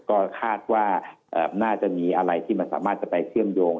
ก็คาดว่าน่าจะมีอะไรที่มันสามารถจะไปเชื่อมโยง